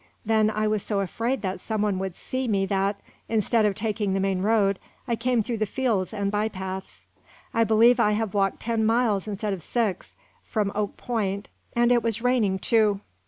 Then I was so afraid that some one would see me that, instead of taking the main road, I came through the fields and by paths. I believe I have walked ten miles instead of six, from Oak Point and it was raining, too.